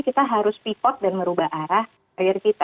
kita harus pipot dan merubah arah karir kita